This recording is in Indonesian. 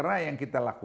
salah satu tadi pak